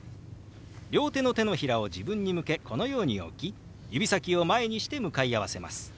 両手の手のひらを自分に向けこのように置き指先を前にして向かい合わせます。